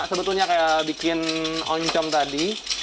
sebetulnya kayak bikin oncom tadi